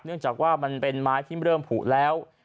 จากว่ามันเป็นไม้ที่เริ่มผูแล้ว